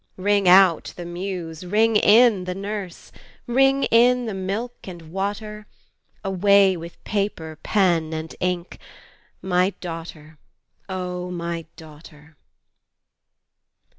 Ring out the muse! ring in the nurse! Ring in the milk and water! Away with paper, pen, and ink My daughter, O my daughter!